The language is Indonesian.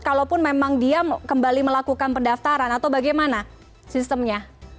kalaupun memang dia kembali melakukan pendaftaran atau bagaimana sistemnya